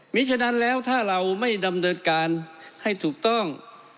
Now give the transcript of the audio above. มีฉะนั้นแล้วถ้าเราไม่ดำเนินการให้ถูกต้อง